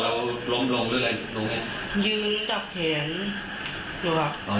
ข้างหลังที่นัดแรกใช่ไหม